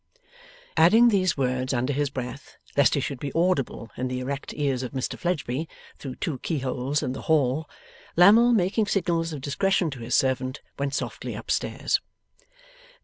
Adding these words under his breath, lest he should be audible in the erect ears of Mr Fledgeby, through two keyholes and the hall, Lammle, making signals of discretion to his servant, went softly up stairs.